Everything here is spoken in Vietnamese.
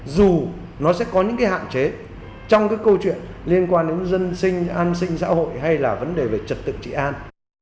dù nó sẽ có những cái hạn chế trong cái câu chuyện liên quan đến dân sinh an sinh xã hội hay là vấn đề về trật tự trị an